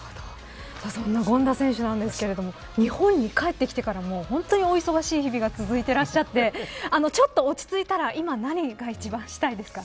そんな権田選手ですが日本に帰ってきてからも本当にお忙しい日々が続いていらっしゃってちょっと落ち着いたら今、何が一番したいですか。